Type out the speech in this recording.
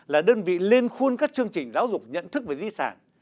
là đơn vị lên khuôn các chương trình giáo dục nhận thức về di sản